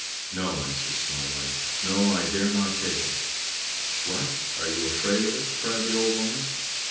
"No," answered Snow White; "no, I dare not take it." "What! are you afraid of it?" cried the old woman.